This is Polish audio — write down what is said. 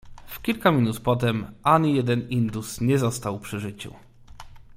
"W kilka minut potem ani jeden indus nie został przy życiu."